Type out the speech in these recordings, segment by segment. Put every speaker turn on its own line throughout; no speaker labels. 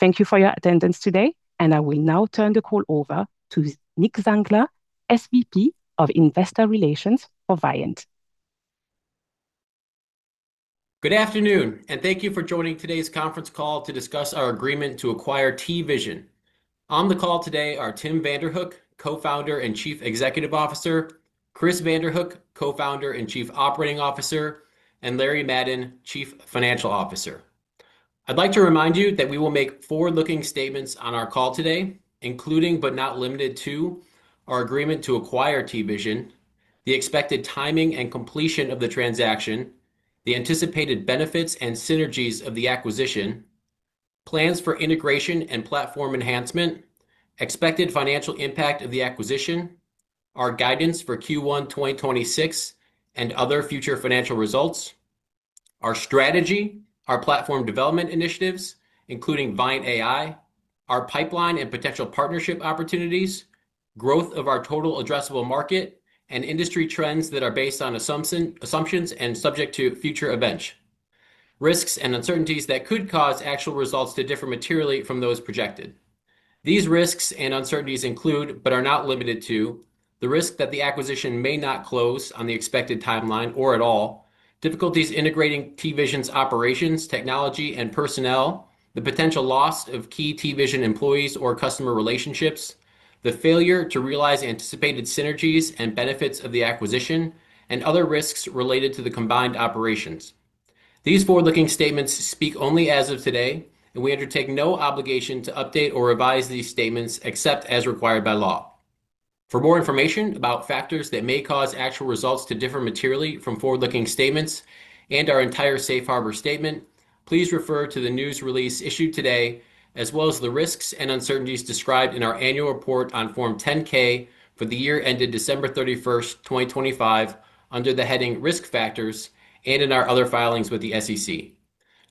Thank you for your attendance today, and I will now turn the call over to Nick Zangler, SVP of Investor Relations for Viant.
Good afternoon, thank you for joining today's conference call to discuss our agreement to acquire TVision. On the call today are Tim Vanderhook, Co-founder and Chief Executive Officer, Chris Vanderhook, Co-founder and Chief Operating Officer, and Larry Madden, Chief Financial Officer. I'd like to remind you that we will make forward-looking statements on our call today, including, but not limited to, our agreement to acquire TVision, the expected timing and completion of the transaction, the anticipated benefits and synergies of the acquisition, plans for integration and platform enhancement, expected financial impact of the acquisition, our guidance for Q1 2026, and other future financial results, our strategy, our platform development initiatives, including ViantAI, our pipeline and potential partnership opportunities, growth of our total addressable market, and industry trends that are based on assumptions and subject to future events. Risks and uncertainties that could cause actual results to differ materially from those projected, these risks and uncertainties include, but are not limited to, the risk that the acquisition may not close on the expected timeline or at all, difficulties integrating TVision's operations, technology, and personnel, the potential loss of key TVision employees or customer relationships, the failure to realize anticipated synergies and benefits of the acquisition, and other risks related to the combined operations. These forward-looking statements speak only as of today, and we undertake no obligation to update or revise these statements except as required by law. For more information about factors that may cause actual results to differ materially from forward-looking statements and our entire safe harbor statement, please refer to the news release issued today, as well as the risks and uncertainties described in our annual report on Form 10-K for the year ended December 31st, 2025, under the heading Risk Factors, and in our other filings with the SEC.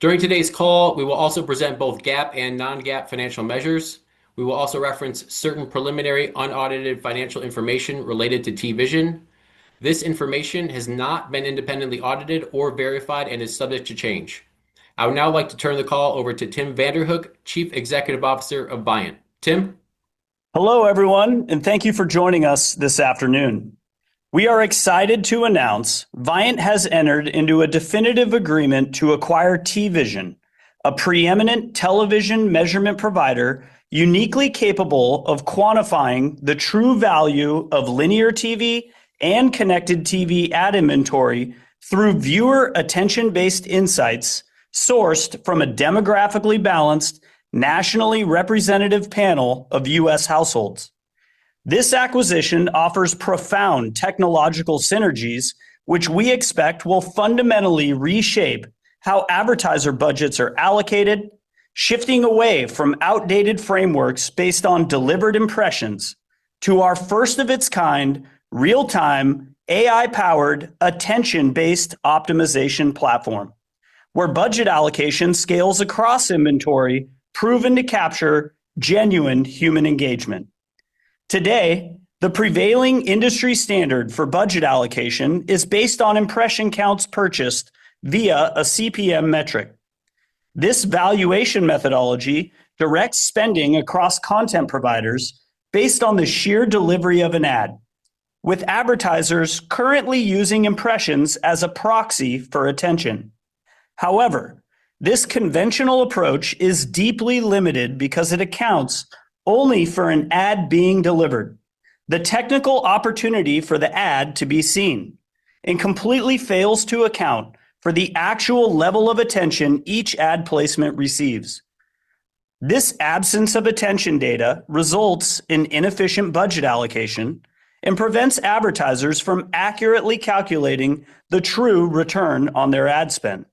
During today's call, we will also present both GAAP and non-GAAP financial measures. We will also reference certain preliminary unaudited financial information related to TVision. This information has not been independently audited or verified and is subject to change. I would now like to turn the call over to Tim Vanderhook, Chief Executive Officer of Viant. Tim?
Hello, everyone, and thank you for joining us this afternoon. We are excited to announce Viant has entered into a definitive agreement to acquire TVision, a preeminent television measurement provider uniquely capable of quantifying the true value of linear TV and connected TV ad inventory through viewer attention-based insights sourced from a demographically balanced, nationally representative panel of U.S. households. This acquisition offers profound technological synergies, which we expect will fundamentally reshape how advertiser budgets are allocated, shifting away from outdated frameworks based on delivered impressions to our first-of-its-kind, real-time, AI-powered, attention-based optimization platform, where budget allocation scales across inventory proven to capture genuine human engagement. Today, the prevailing industry standard for budget allocation is based on impression counts purchased via a CPM metric. This valuation methodology directs spending across content providers based on the sheer delivery of an ad, with advertisers currently using impressions as a proxy for attention. However, this conventional approach is deeply limited because it accounts only for an ad being delivered, the technical opportunity for the ad to be seen, and completely fails to account for the actual level of attention each ad placement receives. This absence of attention data results in inefficient budget allocation and prevents advertisers from accurately calculating the true return on their ad spend.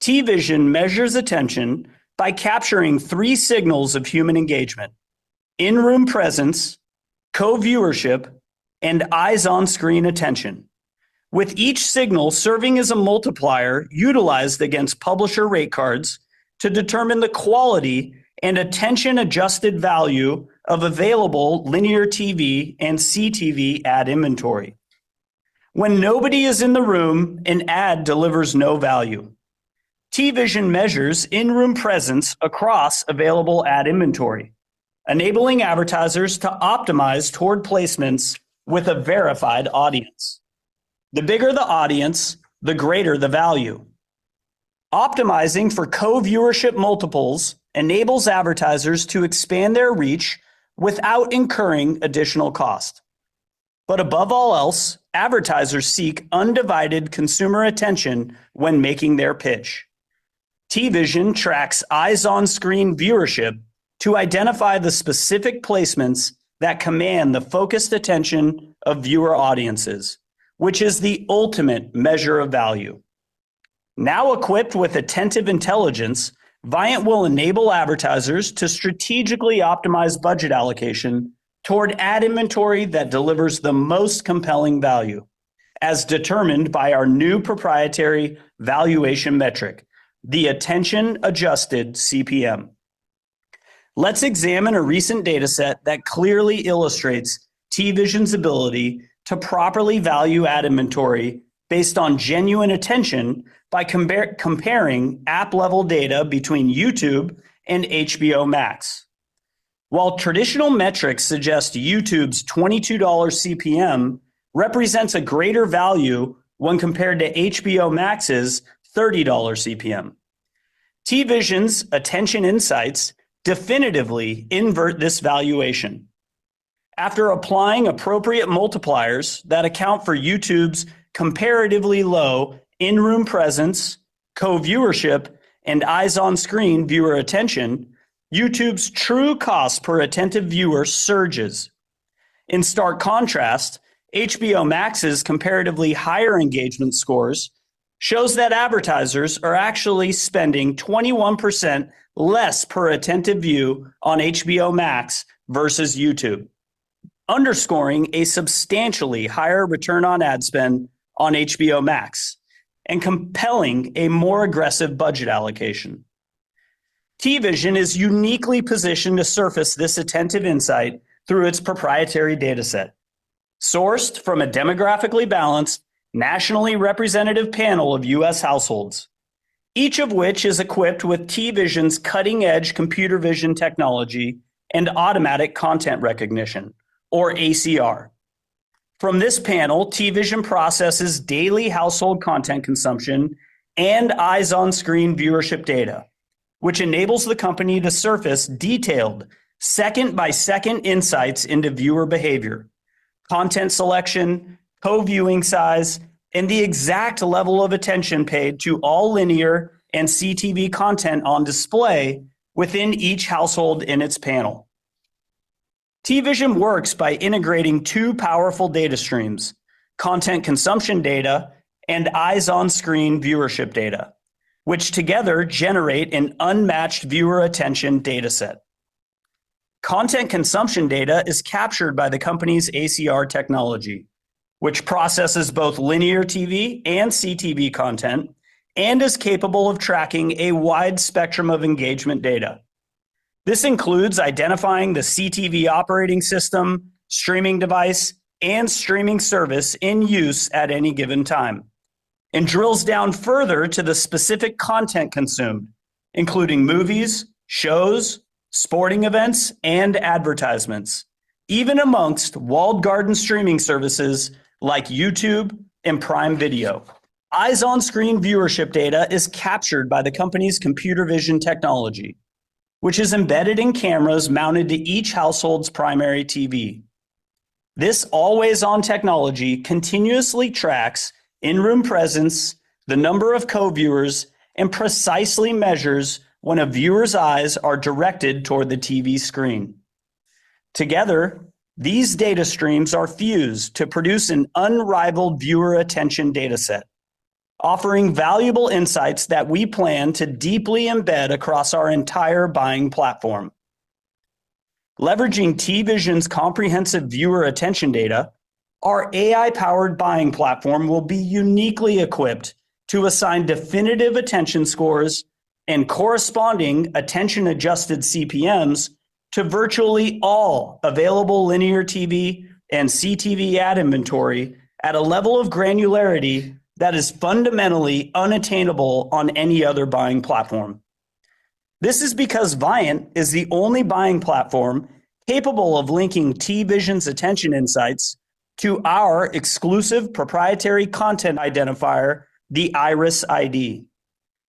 TVision measures attention by capturing three signals of human engagement, in-room presence, co-viewership, and eyes-on-screen attention, with each signal serving as a multiplier utilized against publisher rate cards to determine the quality and attention-adjusted value of available linear TV and CTV ad inventory. When nobody is in the room, an ad delivers no value. TVision measures in-room presence across available ad inventory, enabling advertisers to optimize toward placements with a verified audience. The bigger the audience, the greater the value. Optimizing for co-viewership multiples enables advertisers to expand their reach without incurring additional cost. Above all else, advertisers seek undivided consumer attention when making their pitch. TVision tracks eyes-on-screen viewership to identify the specific placements that command the focused attention of viewer audiences, which is the ultimate measure of value. Now equipped with attentive intelligence, Viant will enable advertisers to strategically optimize budget allocation toward ad inventory that delivers the most compelling value, as determined by our new proprietary valuation metric, the attention-adjusted CPM. Let's examine a recent dataset that clearly illustrates TVision's ability to properly value ad inventory based on genuine attention by comparing app-level data between YouTube and HBO Max. While traditional metrics suggest YouTube's $22 CPM represents a greater value when compared to HBO Max's $30 CPM, TVision's attention insights definitively invert this valuation. After applying appropriate multipliers that account for YouTube's comparatively low in-room presence, co-viewership, and eyes-on-screen viewer attention, YouTube's true cost per attentive viewer surges. In stark contrast, HBO Max's comparatively higher engagement scores shows that advertisers are actually spending 21% less per attentive view on HBO Max versus YouTube, underscoring a substantially higher return on ad spend on HBO Max and compelling a more aggressive budget allocation. TVision is uniquely positioned to surface this attentive insight through its proprietary dataset, sourced from a demographically balanced, nationally representative panel of U.S. households, each of which is equipped with TVision's cutting-edge computer vision technology and automatic content recognition, or ACR. From this panel, TVision processes daily household content consumption and eyes-on-screen viewership data, which enables the company to surface detailed second-by-second insights into viewer behavior, content selection, co-viewing size, and the exact level of attention paid to all linear and CTV content on display within each household in its panel. TVision works by integrating two powerful data streams, content consumption data and eyes-on-screen viewership data, which together generate an unmatched viewer attention dataset. Content consumption data is captured by the company's ACR technology, which processes both linear TV and CTV content and is capable of tracking a wide spectrum of engagement data. This includes identifying the CTV operating system, streaming device, and streaming service in use at any given time, and drills down further to the specific content consumed, including movies, shows, sporting events, and advertisements, even amongst walled garden streaming services like YouTube and Prime Video. Eyes-on-screen viewership data is captured by the company's computer vision technology, which is embedded in cameras mounted to each household's primary TV. This always-on technology continuously tracks in-room presence, the number of co-viewers, and precisely measures when a viewer's eyes are directed toward the TV screen. Together, these data streams are fused to produce an unrivaled viewer attention dataset, offering valuable insights that we plan to deeply embed across our entire buying platform. Leveraging TVision's comprehensive viewer attention data, our AI-powered buying platform will be uniquely equipped to assign definitive attention scores and corresponding attention-adjusted CPMs to virtually all available linear TV and CTV ad inventory at a level of granularity that is fundamentally unattainable on any other buying platform. This is because Viant is the only buying platform capable of linking TVision's attention insights to our exclusive proprietary content identifier, the IRIS_ID.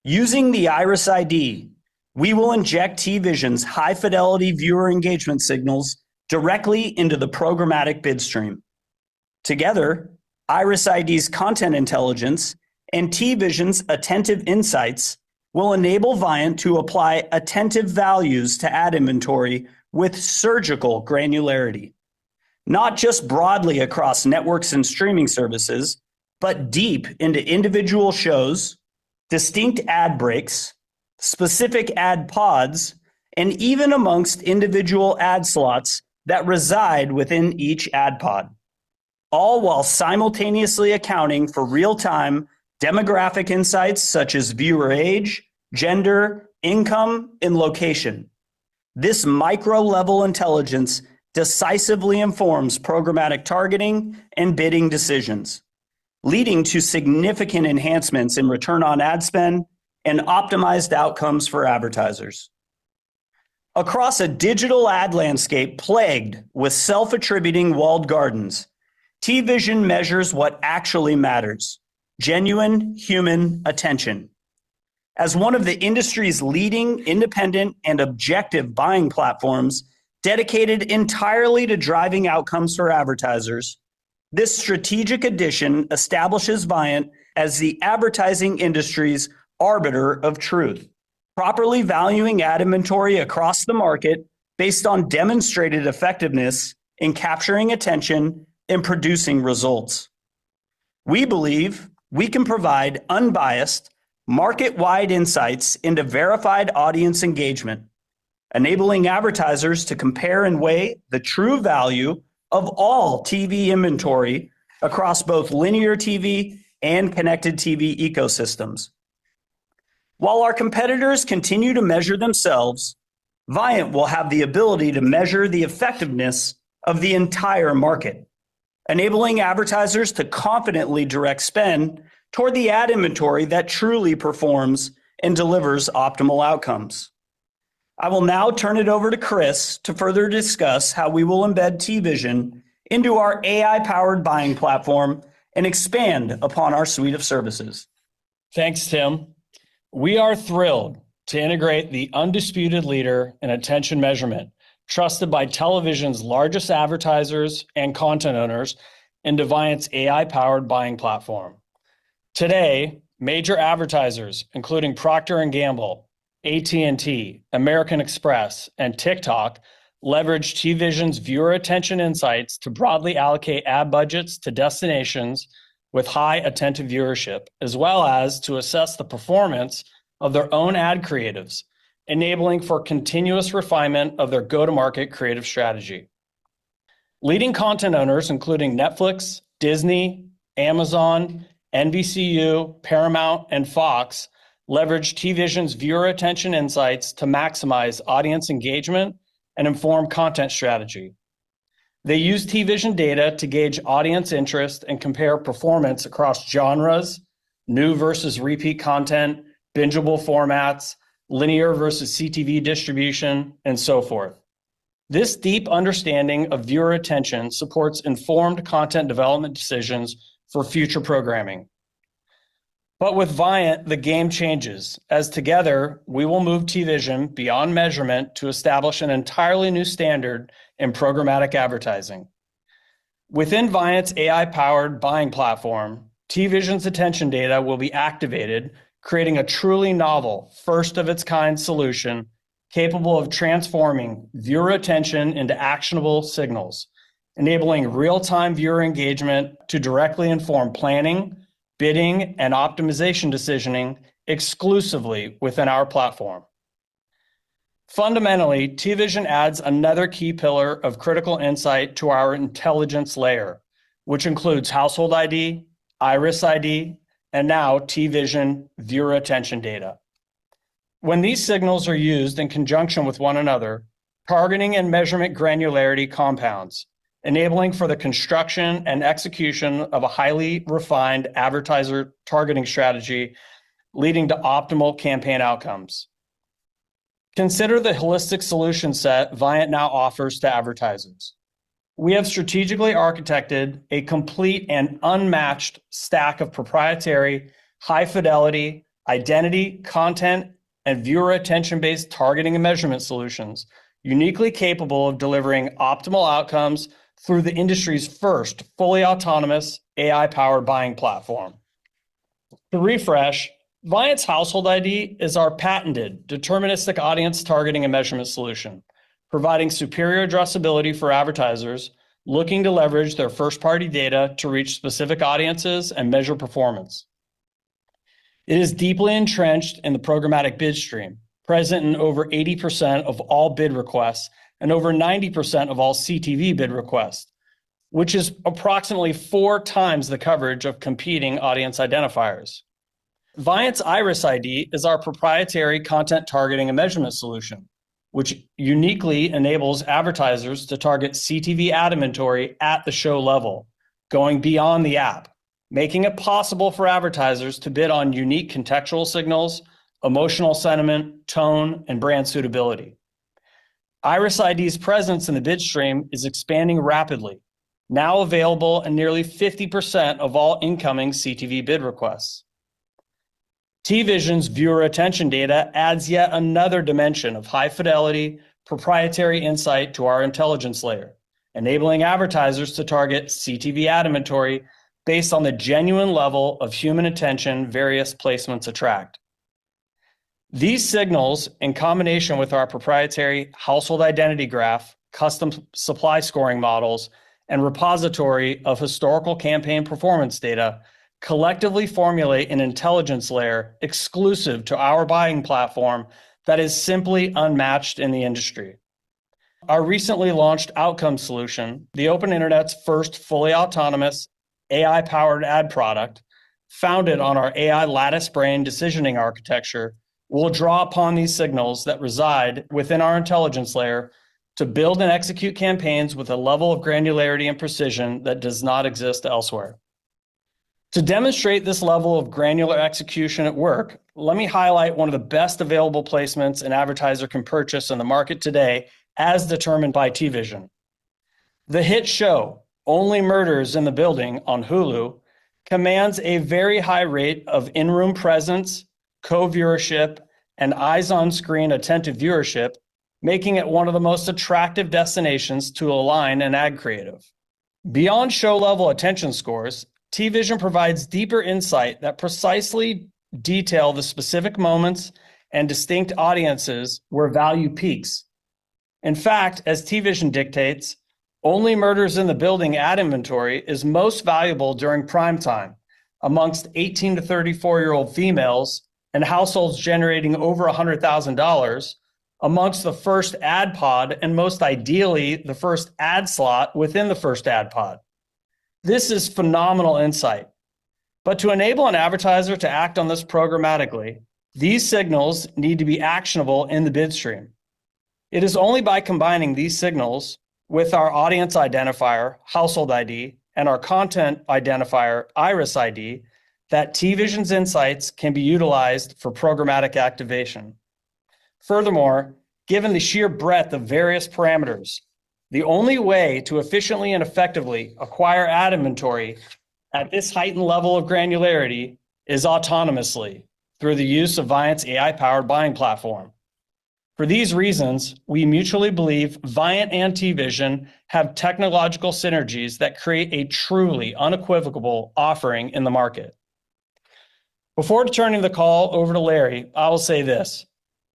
Using the IRIS_ID, we will inject TVision's high-fidelity viewer engagement signals directly into the programmatic bid stream. Together, IRIS_ID's content intelligence and TVision's attentive insights will enable Viant to apply attentive values to ad inventory with surgical granularity, not just broadly across networks and streaming services, but deep into individual shows, distinct ad breaks, specific ad pods, and even amongst individual ad slots that reside within each ad pod, all while simultaneously accounting for real-time demographic insights such as viewer age, gender, income, and location. This micro-level intelligence decisively informs programmatic targeting and bidding decisions, leading to significant enhancements in return on ad spend and optimized outcomes for advertisers. Across a digital ad landscape plagued with self-attributing walled gardens, TVision measures what actually matters, genuine human attention. As one of the industry's leading independent and objective buying platforms dedicated entirely to driving outcomes for advertisers, this strategic addition establishes Viant as the advertising industry's arbiter of truth, properly valuing ad inventory across the market based on demonstrated effectiveness in capturing attention and producing results. We believe we can provide unbiased, market-wide insights into verified audience engagement, enabling advertisers to compare and weigh the true value of all TV inventory across both linear TV and connected TV ecosystems. While our competitors continue to measure themselves, Viant will have the ability to measure the effectiveness of the entire market, enabling advertisers to confidently direct spend toward the ad inventory that truly performs and delivers optimal outcomes. I will now turn it over to Chris to further discuss how we will embed TVision into our AI-powered buying platform and expand upon our suite of services.
Thanks, Tim. We are thrilled to integrate the undisputed leader in attention measurement, trusted by television's largest advertisers and content owners, into Viant's AI-powered buying platform. Today, major advertisers, including Procter & Gamble, AT&T, American Express, and TikTok, leverage TVision's viewer attention insights to broadly allocate ad budgets to destinations with high attentive viewership, as well as to assess the performance of their own ad creatives, enabling for continuous refinement of their go-to-market creative strategy. Leading content owners, including Netflix, Disney, Amazon, NBCU, Paramount, and Fox, leverage TVision's viewer attention insights to maximize audience engagement and inform content strategy. They use TVision data to gauge audience interest and compare performance across genres, new versus repeat content, bingeable formats, linear versus CTV distribution, and so forth. This deep understanding of viewer attention supports informed content development decisions for future programming. With Viant, the game changes, as together, we will move TVision beyond measurement to establish an entirely new standard in programmatic advertising. Within Viant's AI-powered buying platform, TVision's attention data will be activated, creating a truly novel, first-of-its-kind solution capable of transforming viewer attention into actionable signals, enabling real-time viewer engagement to directly inform planning, bidding, and optimization decisioning exclusively within our platform. Fundamentally, TVision adds another key pillar of critical insight to our intelligence layer, which includes Household ID, IRIS_ID, and now TVision viewer attention data. When these signals are used in conjunction with one another, targeting and measurement granularity compounds, enabling for the construction and execution of a highly refined advertiser targeting strategy, leading to optimal campaign outcomes. Consider the holistic solution set Viant now offers to advertisers. We have strategically architected a complete and unmatched stack of proprietary high-fidelity identity, content, and viewer attention-based targeting and measurement solutions, uniquely capable of delivering optimal Outcomes through the industry's first fully autonomous AI-powered buying platform. To refresh, Viant's Household ID is our patented deterministic audience targeting and measurement solution, providing superior addressability for advertisers looking to leverage their first-party data to reach specific audiences and measure performance. It is deeply entrenched in the programmatic bid stream, present in over 80% of all bid requests and over 90% of all CTV bid requests, which is approximately four times the coverage of competing audience identifiers. Viant's IRIS_ID is our proprietary content targeting and measurement solution, which uniquely enables advertisers to target CTV ad inventory at the show level, going beyond the app, making it possible for advertisers to bid on unique contextual signals, emotional sentiment, tone, and brand suitability. IRIS_ID's presence in the bid stream is expanding rapidly, now available in nearly 50% of all incoming CTV bid requests. TVision's viewer attention data adds yet another dimension of high-fidelity proprietary insight to our intelligence layer, enabling advertisers to target CTV ad inventory based on the genuine level of human attention various placements attract. These signals, in combination with our proprietary household identity graph, custom supply scoring models, and repository of historical campaign performance data, collectively formulate an intelligence layer exclusive to our buying platform that is simply unmatched in the industry. Our recently launched Outcome solution, the open internet's first fully autonomous AI-powered ad product, founded on our AI Lattice Brain decisioning architecture, will draw upon these signals that reside within our intelligence layer to build and execute campaigns with a level of granularity and precision that does not exist elsewhere. To demonstrate this level of granular execution at work, let me highlight one of the best available placements an advertiser can purchase on the market today, as determined by TVision. The hit show, Only Murders in the Building on Hulu, commands a very high rate of in-room presence, co-viewership, and eyes-on-screen attentive viewership, making it one of the most attractive destinations to align an ad creative. Beyond show-level attention scores, TVision provides deeper insight that precisely detail the specific moments and distinct audiences where value peaks. In fact, as TVision dictates, Only Murders in the Building ad inventory is most valuable during prime time amongst 18-year to 34-year-old females and households generating over $100,000 amongst the first ad pod, and most ideally, the first ad slot within the first ad pod. This is phenomenal insight. To enable an advertiser to act on this programmatically, these signals need to be actionable in the bid stream. It is only by combining these signals with our audience identifier, Household ID, and our content identifier, IRIS_ID, that TVision's insights can be utilized for programmatic activation. Furthermore, given the sheer breadth of various parameters, the only way to efficiently and effectively acquire ad inventory at this heightened level of granularity is autonomously through the use of Viant's AI-powered buying platform. For these reasons, we mutually believe Viant and TVision have technological synergies that create a truly unequivocal offering in the market. Before turning the call over to Larry, I will say this.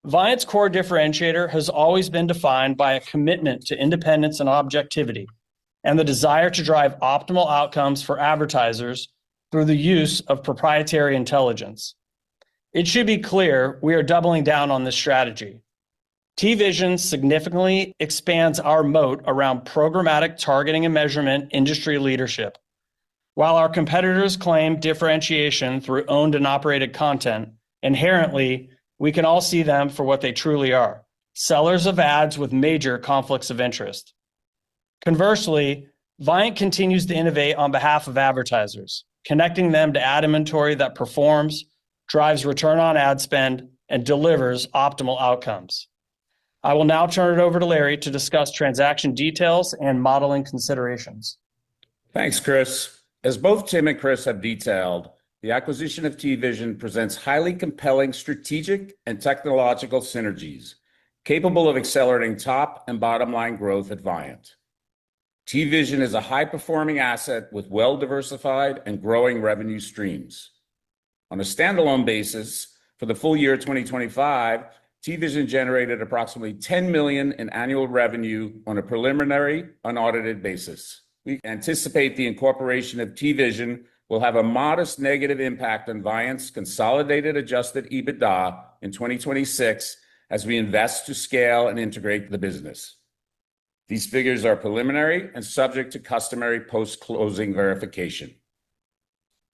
Viant's core differentiator has always been defined by a commitment to independence and objectivity, and the desire to drive optimal outcomes for advertisers through the use of proprietary intelligence. It should be clear we are doubling down on this strategy. TVision significantly expands our moat around programmatic targeting and measurement industry leadership. While our competitors claim differentiation through owned and operated content, inherently, we can all see them for what they truly are, sellers of ads with major conflicts of interest. Conversely, Viant continues to innovate on behalf of advertisers, connecting them to ad inventory that performs, drives return on ad spend, and delivers optimal Outcomes. I will now turn it over to Larry to discuss transaction details and modeling considerations.
Thanks, Chris. As both Tim and Chris have detailed, the acquisition of TVision presents highly compelling strategic and technological synergies capable of accelerating top and bottom-line growth at Viant. TVision is a high-performing asset with well-diversified and growing revenue streams. On a standalone basis for the full year 2025, TVision generated approximately $10 million in annual revenue on a preliminary unaudited basis. We anticipate the incorporation of TVision will have a modest negative impact on Viant's consolidated adjusted EBITDA in 2026 as we invest to scale and integrate the business. These figures are preliminary and subject to customary post-closing verification.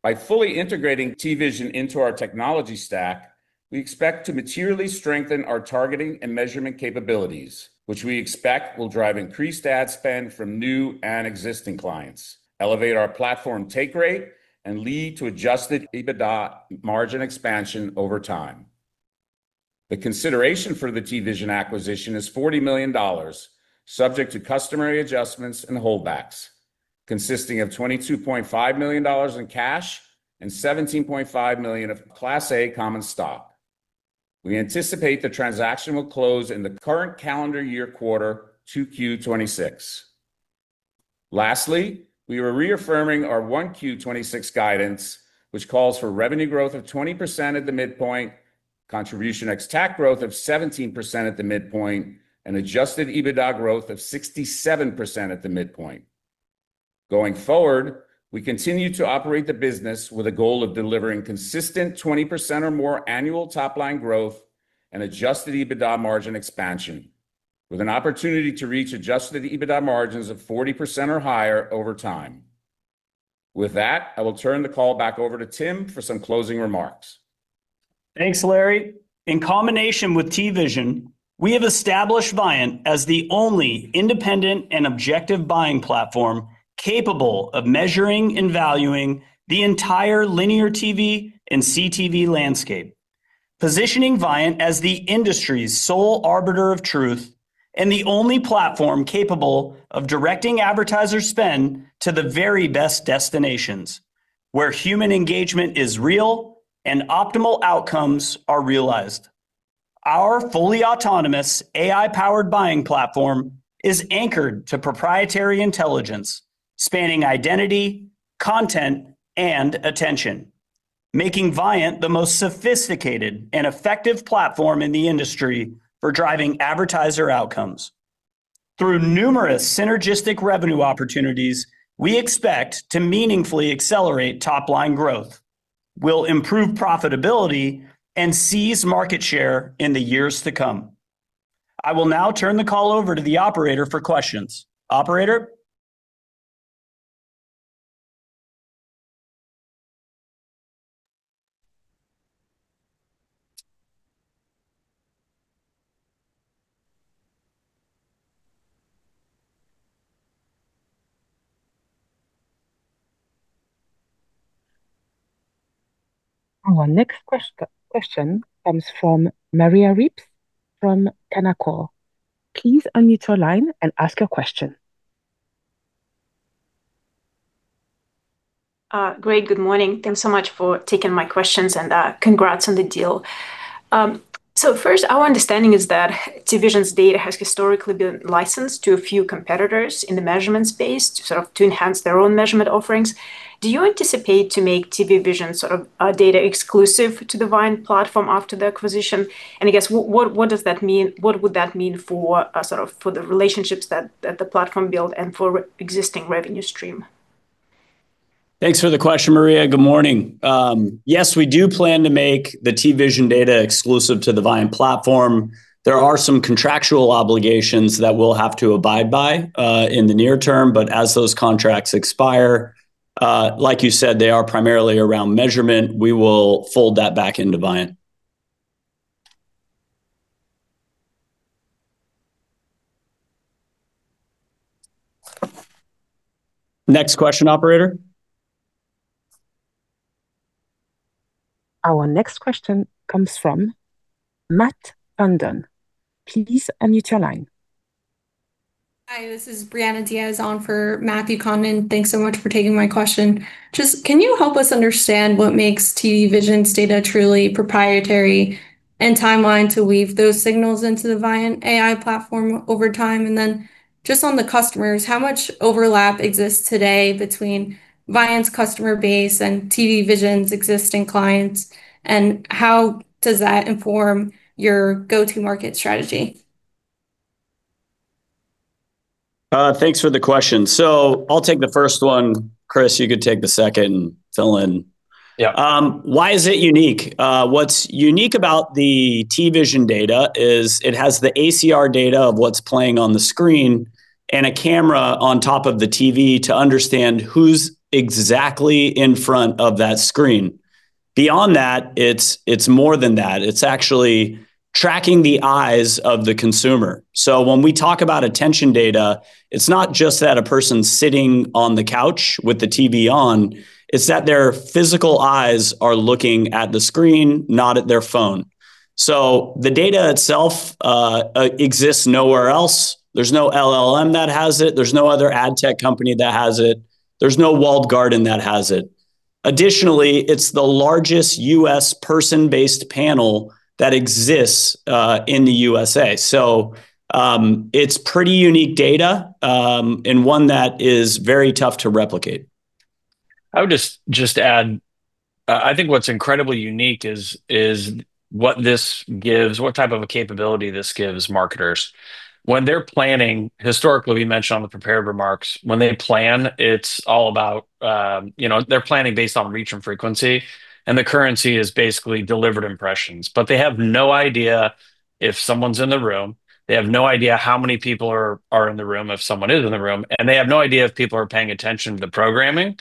By fully integrating TVision into our technology stack, we expect to materially strengthen our targeting and measurement capabilities, which we expect will drive increased ad spend from new and existing clients, elevate our platform take rate, and lead to adjusted EBITDA margin expansion over time. The consideration for the TVision acquisition is $40 million, subject to customary adjustments and holdbacks, consisting of $22.5 million in cash and $17.5 million of Class A common stock. We anticipate the transaction will close in the current calendar year quarter 2Q 2026. Lastly, we are reaffirming our 1Q 2026 guidance, which calls for revenue growth of 20% at the midpoint, contribution ex-TAC growth of 17% at the midpoint, and adjusted EBITDA growth of 67% at the midpoint. Going forward, we continue to operate the business with a goal of delivering consistent 20% or more annual top-line growth and adjusted EBITDA margin expansion, with an opportunity to reach adjusted EBITDA margins of 40% or higher over time. With that, I will turn the call back over to Tim for some closing remarks.
Thanks, Larry. In combination with TVision, we have established Viant as the only independent and objective buying platform capable of measuring and valuing the entire linear TV and CTV landscape, positioning Viant as the industry's sole arbiter of truth and the only platform capable of directing advertiser spend to the very best destinations, where human engagement is real and optimal outcomes are realized. Our fully autonomous AI-powered buying platform is anchored to proprietary intelligence, spanning identity, content, and attention, making Viant the most sophisticated and effective platform in the industry for driving advertiser outcomes. Through numerous synergistic revenue opportunities, we expect to meaningfully accelerate top-line growth, will improve profitability, and seize market share in the years to come. I will now turn the call over to the operator for questions. Operator?
Our next question comes from Maria Ripps from Canaccord. Please unmute your line and ask your question.
Great, good morning. Thanks so much for taking my questions and congrats on the deal. First, our understanding is that TVision's data has historically been licensed to a few competitors in the measurement space to enhance their own measurement offerings. Do you anticipate to make TVision's data exclusive to the Viant platform after the acquisition? I guess, what would that mean for the relationships that the platform build and for existing revenue stream?
Thanks for the question, Maria. Good morning. Yes, we do plan to make the TVision data exclusive to the Viant platform. There are some contractual obligations that we'll have to abide by in the near term, but as those contracts expire, like you said, they are primarily around measurement. We will fold that back into Viant. Next question, operator.
Our next question comes from Matt Condon. Please unmute your line.
Hi, this is Brianna Diaz on for Matthew Condon. Thanks so much for taking my question. Just can you help us understand what makes TVision's data truly proprietary, and timeline to weave those signals into the ViantAI platform over time? Just on the customers, how much overlap exists today between Viant's customer base and TVision's existing clients, and how does that inform your go-to-market strategy?
Thanks for the question. I'll take the first one. Chris, you could take the second and fill in.
Yeah.
Why is it unique? What's unique about the TVision data is it has the ACR data of what's playing on the screen and a camera on top of the TV to understand who's exactly in front of that screen. Beyond that, it's more than that. It's actually tracking the eyes of the consumer. When we talk about attention data, it's not just that a person's sitting on the couch with the TV on, it's that their physical eyes are looking at the screen, not at their phone. The data itself exists nowhere else. There's no LLM that has it. There's no other ad tech company that has it. There's no walled garden that has it. Additionally, it's the largest U.S. person-based panel that exists in the USA. It's pretty unique data, and one that is very tough to replicate.
I would just add, I think what's incredibly unique is what this gives, what type of a capability this gives marketers. When they're planning, historically, we mentioned on the prepared remarks, when they plan, they're planning based on reach and frequency, and the currency is basically delivered impressions. They have no idea if someone's in the room, they have no idea how many people are in the room if someone is in the room, and they have no idea if people are paying attention to the programming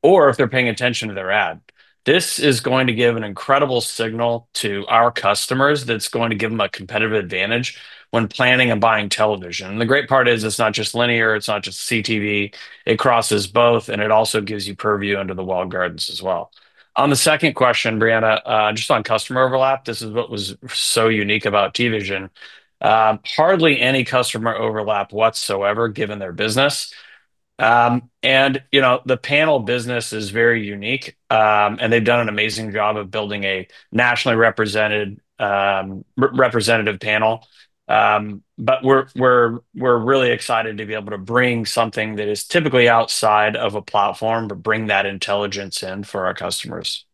or if they're paying attention to their ad. This is going to give an incredible signal to our customers that's going to give them a competitive advantage when planning and buying television. The great part is it's not just linear, it's not just CTV, it crosses both, and it also gives you purview into the walled gardens as well. On the second question, Brianna, just on customer overlap, this is what was so unique about TVision. Hardly any customer overlap whatsoever, given their business. The panel business is very unique. They've done an amazing job of building a nationally representative panel. We're really excited to be able to bring something that is typically outside of a platform, but bring that intelligence in for our customers.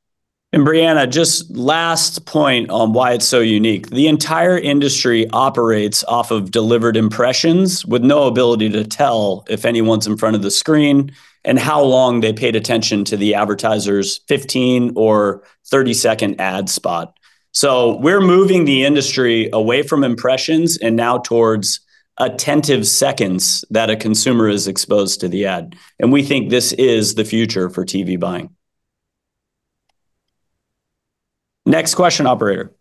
Brianna, just last point on why it's so unique. The entire industry operates off of delivered impressions with no ability to tell if anyone's in front of the screen and how long they paid attention to the advertiser's 15-second or 30-second ad spot. We're moving the industry away from impressions and now towards attentive seconds that a consumer is exposed to the ad. We think this is the future for TV buying. Next question, operator.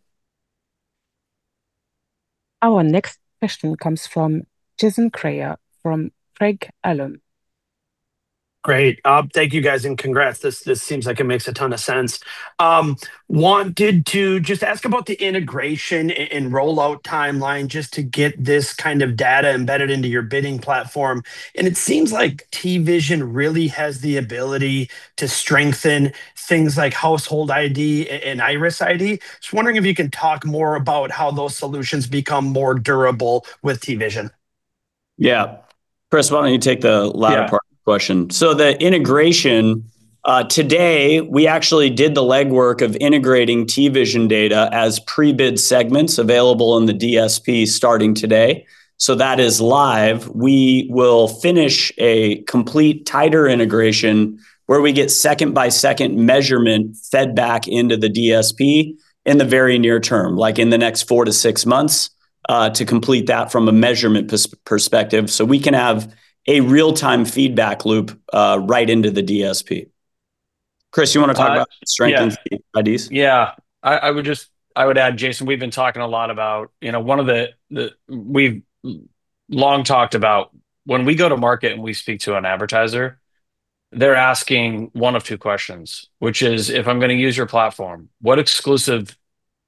Our next question comes from Jason Kreyer from Craig-Hallum.
Great. Thank you guys, and congrats. This seems like it makes a ton of sense. I wanted to just ask about the integration and rollout timeline, just to get this kind of data embedded into your bidding platform. It seems like TVision really has the ability to strengthen things like Household ID and IRIS_ID. I'm just wondering if you can talk more about how those solutions become more durable with TVision.
Yeah. Chris, why don't you take the latter.
Yeah.
Part of the question? The integration, today we actually did the legwork of integrating TVision data as pre-bid segments available in the DSP starting today. That is live. We will finish a complete tighter integration where we get second-by-second measurement fed back into the DSP in the very near term, like in the next four months to six months, to complete that from a measurement perspective so we can have a real-time feedback loop right into the DSP. Chris, you want to talk about strengthening the IDs?
Yeah, I would add, Jason, we've long talked about when we go to market and we speak to an advertiser, they're asking one of two questions, which is, "If I'm going to use your platform, what exclusive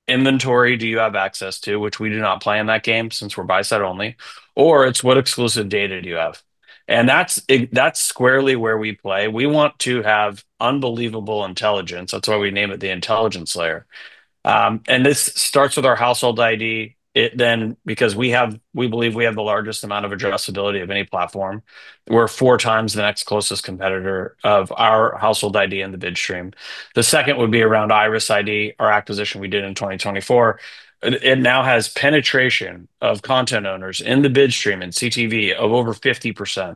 inventory do you have access to?" which we do not play in that game since we're buy-side only. It's, "What exclusive data do you have?" That's squarely where we play. We want to have unbelievable intelligence. That's why we name it the intelligence layer. This starts with our Household ID, because we believe we have the largest amount of addressability of any platform. We're four times the next closest competitor of our Household ID in the bid stream. The second would be around IRIS_ID, our acquisition we did in 2024. It now has penetration of content owners in the bidstream in CTV of over 50%.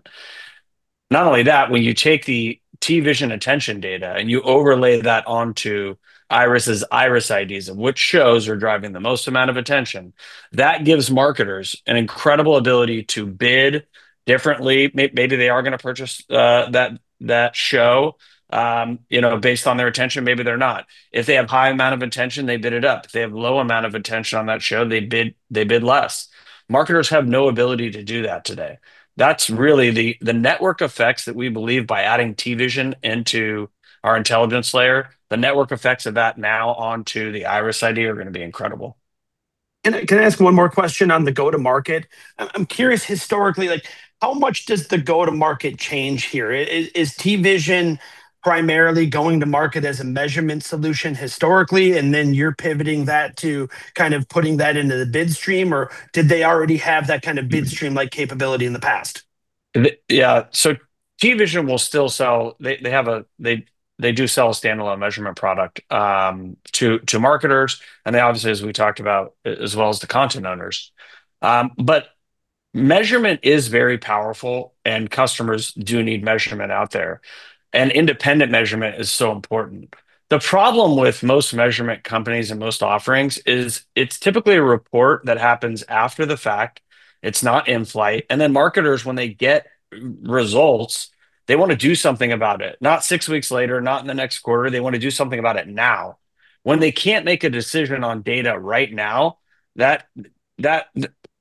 Not only that, when you take the TVision attention data and you overlay that onto IRIS_IDs of which shows are driving the most amount of attention, that gives marketers an incredible ability to bid differently. Maybe they are going to purchase that show based on their attention, maybe they're not. If they have high amount of attention, they bid it up. If they have low amount of attention on that show, they bid less. Marketers have no ability to do that today. That's really the network effects that we believe by adding TVision into our intelligence layer, the network effects of that now onto the IRIS_ID are going to be incredible.
Can I ask one more question on the go-to-market? I'm curious, historically, how much does the go-to-market change here? Is TVision primarily going to market as a measurement solution historically, and then you're pivoting that to kind of putting that into the bidstream, or did they already have that kind of bidstream-like capability in the past?
Yeah. TVision, they do sell a standalone measurement product to marketers, and they obviously, as we talked about, as well as the content owners. Measurement is very powerful, and customers do need measurement out there. Independent measurement is so important. The problem with most measurement companies and most offerings is it's typically a report that happens after the fact. It's not in-flight. Marketers, when they get results, they want to do something about it, not six weeks later, not in the next quarter. They want to do something about it now. When they can't make a decision on data right now, that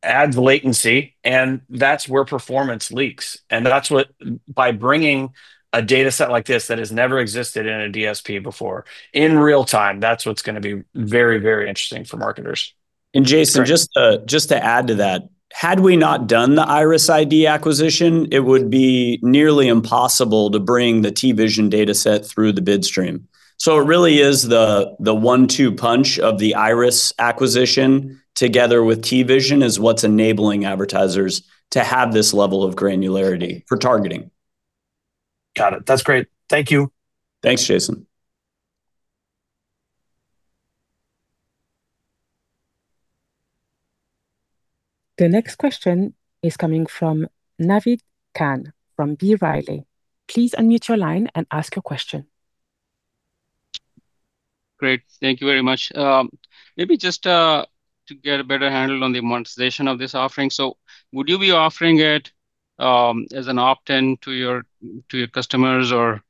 adds latency, and that's where performance leaks. That's what, by bringing a data set like this that has never existed in a DSP before, in real-time, that's what's going to be very, very interesting for marketers.
Jason, just to add to that, had we not done the IRIS_ID acquisition, it would be nearly impossible to bring the TVision data set through the bid stream. It really is the one-two punch of the IRIS acquisition together with TVision is what's enabling advertisers to have this level of granularity for targeting.
Got it. That's great. Thank you.
Thanks, Jason.
The next question is coming from Naved Khan from B. Riley. Please unmute your line and ask your question.
Great. Thank you very much. Maybe just to get a better handle on the monetization of this offering, would you be offering it as an opt-in to your customers, or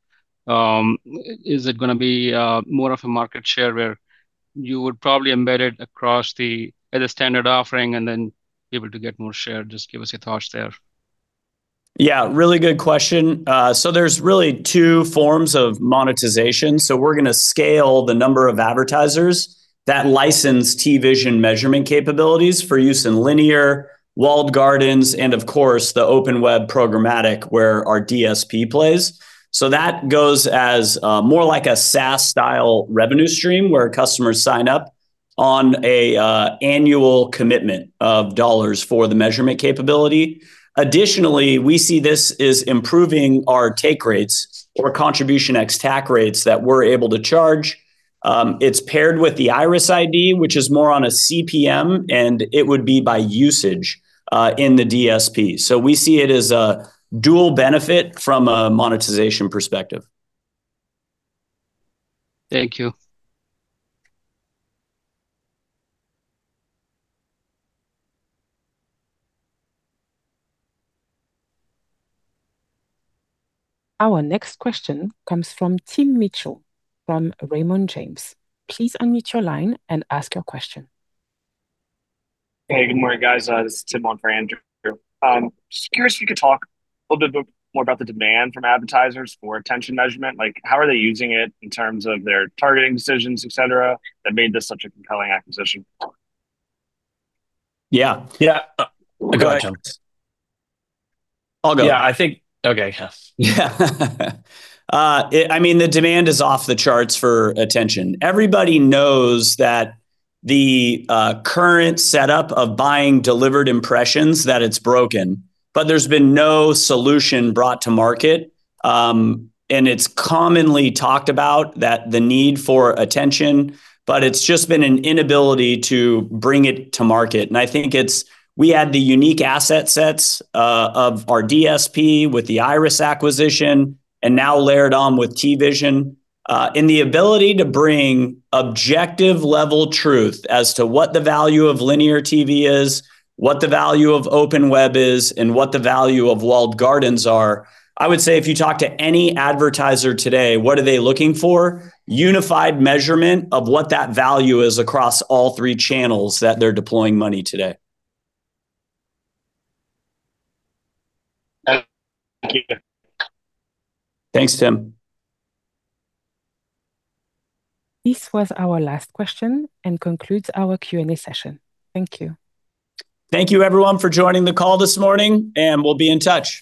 is it going to be more of a market share where you would probably embed it across the standard offering and then be able to get more share? Just give us your thoughts there.
Yeah, really good question. There's really two forms of monetization. We're going to scale the number of advertisers that license TVision measurement capabilities for use in linear, walled gardens, and of course, the open web programmatic, where our DSP plays. That goes as more like a SaaS-style revenue stream where customers sign up on an annual commitment of dollars for the measurement capability. Additionally, we see this as improving our take rates or contribution ex-TAC rates that we're able to charge. It's paired with the IRIS_ID, which is more on a CPM, and it would be by usage in the DSP. We see it as a dual benefit from a monetization perspective.
Thank you.
Our next question comes from Tim Mitchell from Raymond James. Please unmute your line and ask your question.
Hey, good morning, guys. This is Tim on for Andrew. Just curious if you could talk a little bit more about the demand from advertisers for attention measurement, like how are they using it in terms of their targeting decisions, et cetera, that made this such a compelling acquisition?
Yeah.
Yeah. Go ahead.
Go ahead, Chris. I'll go.
Yeah, I think, okay, yeah.
The demand is off the charts for attention. Everybody knows that the current setup of buying delivered impressions, that it's broken, but there's been no solution brought to market. It's commonly talked about that the need for attention, but it's just been an inability to bring it to market. I think we add the unique asset sets of our DSP with the IRIS acquisition and now layered on with TVision and the ability to bring objective level truth as to what the value of linear TV is, what the value of open web is, and what the value of walled gardens are. I would say if you talk to any advertiser today, what are they looking for? Unified measurement of what that value is across all three channels that they're deploying money today.
Thank you.
Thanks, Tim.
This was our last question and concludes our Q&A session. Thank you.
Thank you everyone for joining the call this morning, and we'll be in touch.